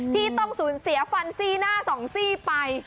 ที่ต้องสูญเสียฟันซี่หน้าสองซี่ไป